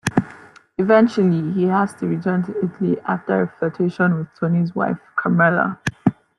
Eventually, he has to return to Italy after a flirtation with Tony's wife Carmela.